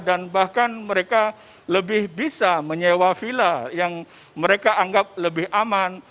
dan bahkan mereka lebih bisa menyewa villa yang mereka anggap lebih aman